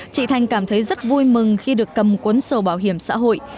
chị thành cảm thấy rất vui mừng khi được cầm cuốn sổ bảo hiểm xã hội